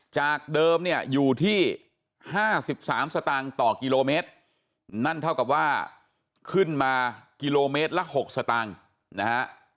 จากเดิมเนี่ยอยู่ที่๕๓สตางค์ต่อกิโลเมตรนั่นเท่ากับว่าขึ้นมากิโลเมตรละ๖สตางค์นะฮะ